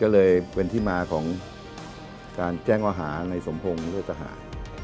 ก็เลยเป็นที่มาของการแจ้งข้อหาในสมพงศ์เลือดทหาร